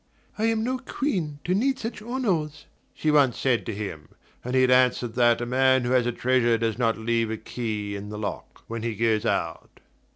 "I am no Queen, to need such honours," she once said to him; and he had answered that a man who has a treasure does not leave the key in the lock when he goes out.